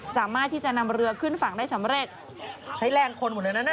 สามารถที่จะนำเรือขึ้นฝั่งได้สำเร็จใช้แรงคนหมดเลยนั้นน่ะ